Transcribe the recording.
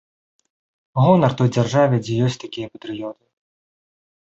Гонар той дзяржаве, дзе ёсць такія патрыёты.